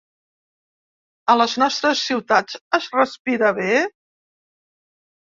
A les nostres ciutats es respira bé?